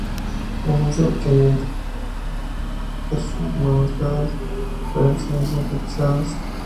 Así se obtiene un intermediario del cual muchos monosacáridos pueden ser sintetizados.